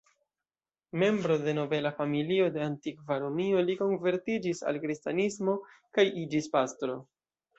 Membro de nobela familio de antikva Romio, li konvertiĝis al kristanismo kaj iĝis pastro.